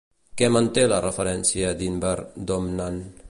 Què manté la referència d'Inber Domnann?